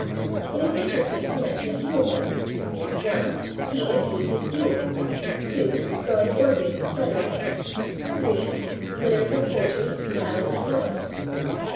It is interesting to mention a few of them. 1. Peat is used as fuel. 2. Growing Orchids, etc. 3. Litter for poultry, cattle, and horses.